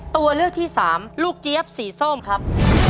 ตัวเลือกที่สามลูกเจี๊ยบสีส้มครับ